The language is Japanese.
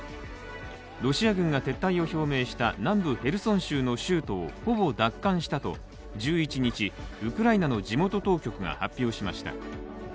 ロシア軍が撤退した南部ヘルソン州の州都をほぼ奪還したと１１日ウクライナの地元当局が発表しました。